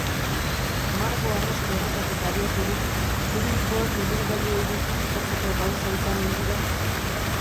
Margo arrasto horretatik abiaturik, teknikoak ibilgailua identifikatzeko gauza izanen dira?